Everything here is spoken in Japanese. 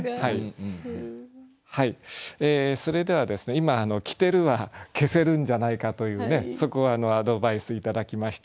今「着てる」は消せるんじゃないかというそこはアドバイス頂きました。